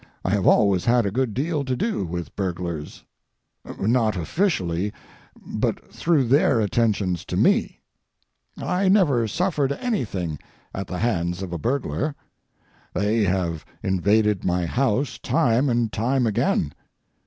I have always had a good deal to do with burglars—not officially, but through their attentions to me. I never suffered anything at the hands of a burglar. They have invaded my house time and time again.